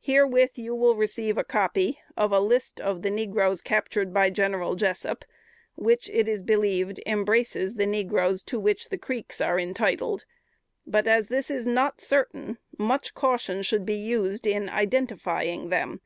Herewith you will receive the copy of a list of negroes captured by General Jessup, which, it is believed, embraces the negroes to which the Creeks are entitled; but as this is not certain, much caution should be used in identifying them.